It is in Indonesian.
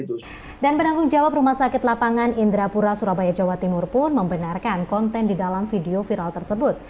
dan penanggung jawab rumah sakit lapangan indrapura surabaya jawa timur pun membenarkan konten di dalam video viral tersebut